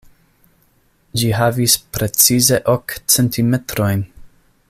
Ĝi havis precize ok centimetrojn!